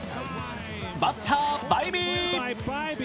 バッター、バイビー。